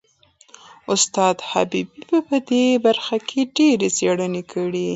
استاد حبیبي په دې برخه کې ډېرې څېړنې کړي.